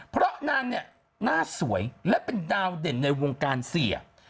เพราะนางเนี่ยหน้าสวยและเป็นดาวเด่นในวงการเสีย